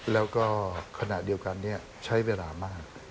แล้วก็ขณะเดียวกันใช้เวลามาก